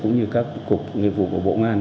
cũng như các cục nghiệp vụ của bộ ngoan